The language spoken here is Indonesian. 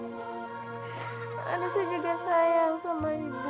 maafkan juga sayang sama ibu